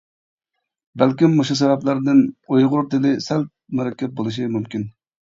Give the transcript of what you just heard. بەلكىم مۇشۇ سەۋەبلەردىن ئۇيغۇر تىلى سەل مۇرەككەپ بولۇشى مۇمكىن.